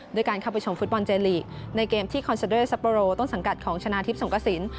ด้วยการเข้าไปชมฟุตบอลเจลีกในเกมที่คอนซาเดอร์ซัปโปโรต้นสังกัดของชนะทิพย์สงกระสิน